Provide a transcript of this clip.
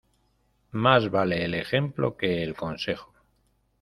Más vale el ejemplo que el consejo.